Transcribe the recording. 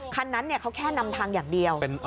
คันนั้นเขาแค่นำทางอย่างเดียว